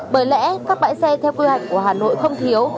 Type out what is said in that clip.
bởi lẽ các bãi xe theo quy hoạch của hà nội không thiếu